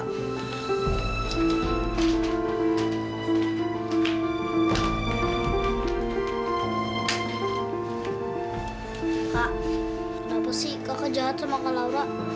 kak kenapa sih kakak jahat sama kak laura